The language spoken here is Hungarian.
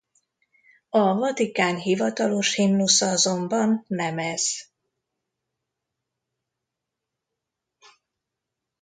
A Vatikán hivatalos himnusza azonban nem ez.